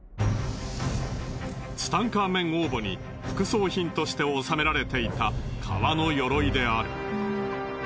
ツタンカーメン王墓に副葬品として納められていた皮の鎧である。